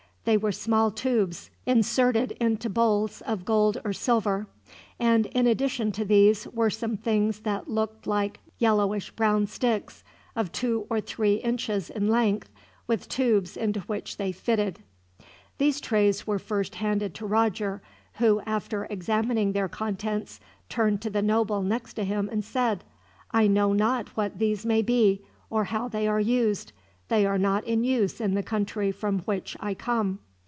They were small tubes, inserted into bowls of gold or silver; and in addition to these were some things that looked like yellowish brown sticks, of two or three inches in length, with tubes into which they fitted. These trays were first handed to Roger, who, after examining their contents, turned to the noble next to him and said: "I know not what these may be, or how they are used. They are not in use in the country from which I come."